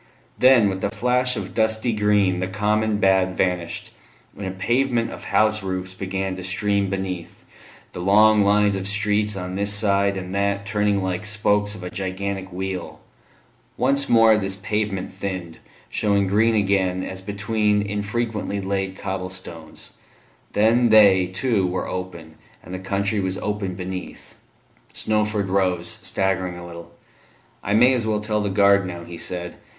Then, with a flash of dusty green, the Common had vanished, and a pavement of house roofs began to stream beneath, the long lines of streets on this side and that turning like spokes of a gigantic wheel; once more this pavement thinned, showing green again as between infrequently laid cobble stones; then they, too, were gone, and the country was open beneath. Snowford rose, staggering a little. "I may as well tell the guard now," he said.